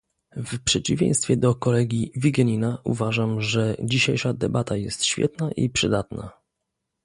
W przeciwieństwie do kolegi Vigenina uważam, że dzisiejsza debata jest świetna i przydatna